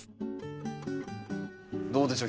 どうでしょう？